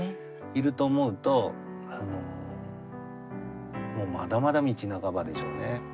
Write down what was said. いると思うとあのもうまだまだ道半ばでしょうね。